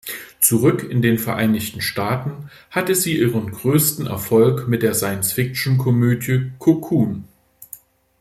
Zurück in den Vereinigten Staaten hatte sie ihren größten Erfolg mit der Science-Fiction-Komödie "Cocoon".